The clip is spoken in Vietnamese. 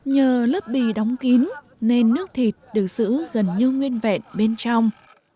nhờ lớp bì đóng kín nên nước thịt được giữ gần như nguyên vẹn bên trong